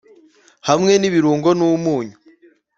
hamwe n'ibirungo n'umunyu,